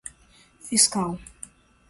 fiscal